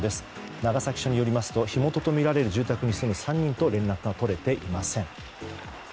長崎署によりますと火元とみられる住宅に住む３人と連絡が取れていません。